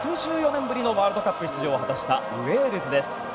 ６４年ぶりのワールドカップ出場を果たしたウェールズです。